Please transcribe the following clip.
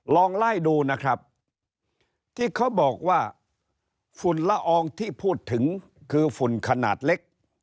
ลองไล่ดูนะครับที่เขาบอกว่าฝุ่นละอองที่พูดถึงคือฝุ่นขนาดเล็ก